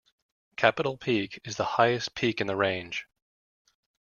Capitol Peak is the highest peak in the range.